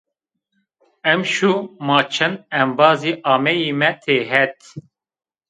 Emşo ma çend embazî ameyîme têhet